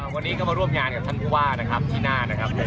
วันนี้ก็มาร่วมงานกับท่านผู้ว่าที่หน้า